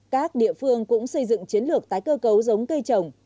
các địa phương cũng xây dựng chiến lược tái cơ cấu giống cây trồng